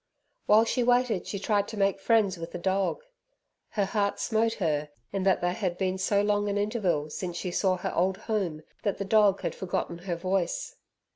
While she waited she tried to make friends with the dog. Her heart smote her, in that there had been so long an interval since she saw her old home that the dog had forgotten her voice.